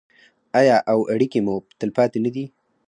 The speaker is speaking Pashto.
آیا او اړیکې مو تلپاتې نه دي؟